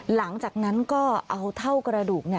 หลังจากนั้นก็เอาเท่ากระดูก